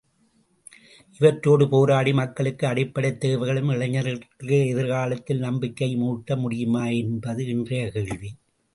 இவற்றோடு போராடி மக்களுக்கு அடிப்படைத் தேவைகளும் இளைஞர்களுக்கு எதிர்காலத்தில் நம்பிக்கையும் ஊட்ட முடியுமா என்பது இன்றைய கேள்வி.